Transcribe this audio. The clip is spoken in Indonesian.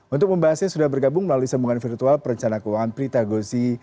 untuk pembahasnya sudah bergabung melalui sembungan virtual perencana keuangan prita gosi